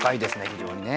非常にね。